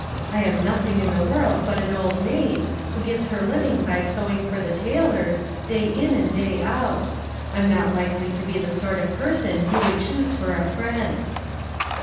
I am nothing in the world but an old maid, who gets her living by sewing for the tailors, day in and day out. I'm not • likely to be the sort of person you would choose for a friend."